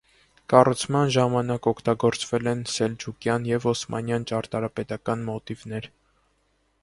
Կառուցման ժամանակ օգտագործվել են սելջուկյան և օսմանյան ճարտարապետական մոտիվներ։